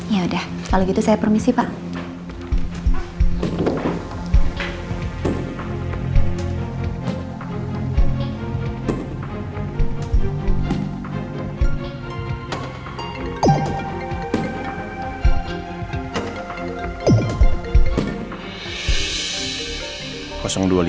ya udah kalau gitu saya permisi pak